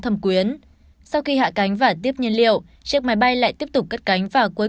thâm quyến sau khi hạ cánh và tiếp nhân liệu chiếc máy bay lại tiếp tục cắt cánh và cuối